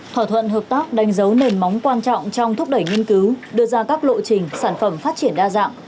thỏa thuận hợp tác đánh dấu nền móng quan trọng trong thúc đẩy nghiên cứu đưa ra các lộ trình sản phẩm phát triển đa dạng